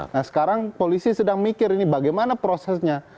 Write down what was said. nah sekarang polisi sedang mikir ini bagaimana prosesnya